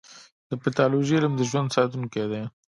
د پیتالوژي علم د ژوند ساتونکی دی.